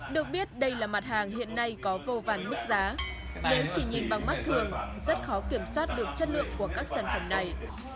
được biết đây là mặt hàng hiện nay có vô vàn mức giá nếu chỉ nhìn bằng mắt thường rất khó kiểm soát được chất lượng của các sản phẩm này